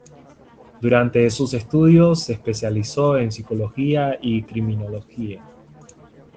Durante sus estudios se especializó en psicología y criminología.